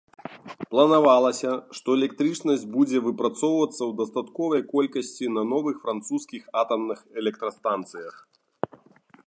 Планавалася, што электрычнасць будзе выпрацоўвацца ў дастатковай колькасці на новых французскіх атамных электрастанцыях.